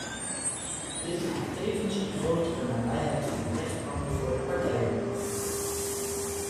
Dit maakt tevens een grotere nabijheid van de rechtbank voor de partijen mogelijk.